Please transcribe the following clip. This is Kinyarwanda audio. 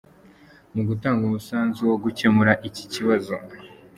Mu gutanga umusanzu wo gukemura iki kibazo